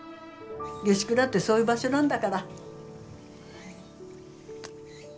下宿なんてそういう場所なんだから。